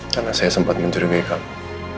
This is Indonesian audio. karena saya sempat mencurigai kamu